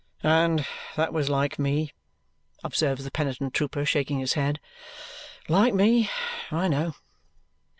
"And that was like me!" observes the penitent trooper, shaking his head. "Like me, I know."